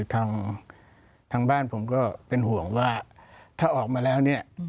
ทางบ้านผมก็เป็นห่วงว่าถ้าออกมาแล้วเนี่ย